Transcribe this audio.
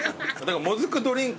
もずくドリンク。